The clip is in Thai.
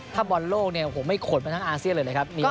ถ้าบอลโลกเนี่ยโอ้โหไม่ขนไปทั้งอาเซียนเลยนะครับ